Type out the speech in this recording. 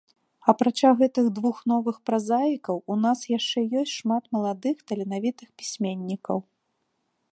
Апрача гэтых двух новых празаікаў у нас яшчэ ёсць шмат маладых таленавітых пісьменнікаў.